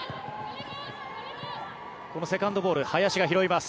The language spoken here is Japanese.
セカンドボール林が拾います。